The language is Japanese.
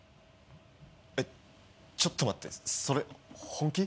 えっちょっと待ってそれ本気？